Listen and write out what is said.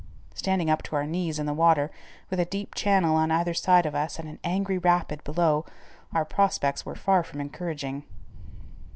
Standing up to our knees in the water, with a deep channel on either side of us and an angry rapid below, our prospects were far from encouraging.